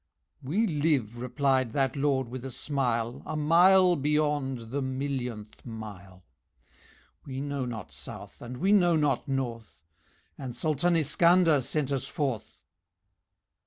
"We live," replied that Lord with a smile, "A mile beyond the millionth mile. We know not South and we know not North, And SULTAN ISKANDER sent us forth."